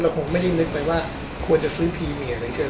คงไม่ได้นึกไปว่าควรจะซื้อพรีเมียหรือเจอ